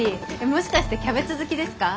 もしかしてキャベツ好きですか？